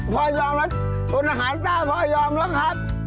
พ่อย่ำอาหารต้าพ่อยอมแล้วครับ